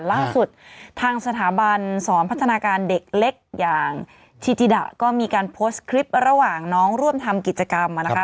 ล่าสุดทางสถาบันสอนพัฒนาการเด็กเล็กอย่างชิจิดะก็มีการโพสต์คลิประหว่างน้องร่วมทำกิจกรรมนะคะ